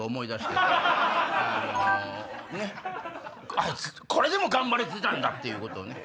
あいつこれでも頑張れてたんだっていうね。